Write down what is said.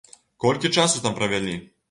Колькі часу там правялі?